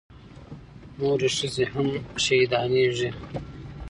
نورې ښځې هم شهيدانېږي.